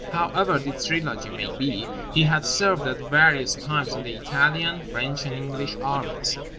However this trilogy may be, he had served at various times in the Italian, French and English armies.